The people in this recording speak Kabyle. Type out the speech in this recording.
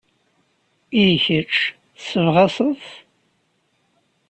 I kecc, tessebɣaseḍ-t?